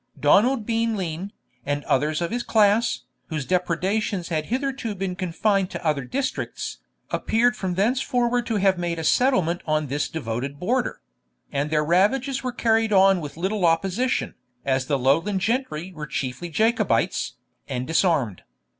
Donald Bean Lean, and others of his class, whose depredations had hitherto been confined to other districts, appeared from thenceforward to have made a settlement on this devoted border; and their ravages were carried on with little opposition, as the Lowland gentry were chiefly Jacobites, and disarmed.